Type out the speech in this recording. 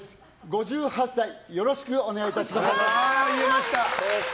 ５８歳よろしくお願いいたします。